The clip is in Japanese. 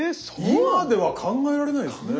今では考えられないですね。